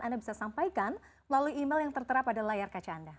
anda bisa sampaikan melalui email yang tertera pada layar kaca anda